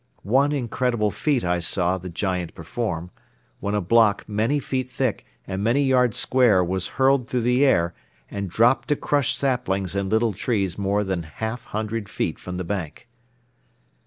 One incredible feat I saw the giant perform, when a block many feet thick and many yards square was hurled through the air and dropped to crush saplings and little trees more than a half hundred feet from the bank.